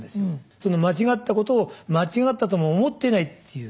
その間違ったことを間違ったとも思ってないっていう。